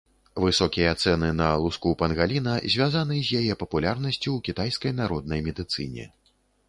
Высокія цэны на луску пангаліна звязаны з яе папулярнасцю ў кітайскай народнай медыцыне.